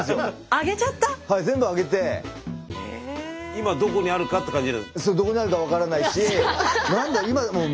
今どこにあるかって感じ？